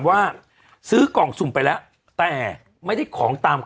ว่าซื้อกล่องสุ่มไปแล้วแต่ไม่ได้ของตาม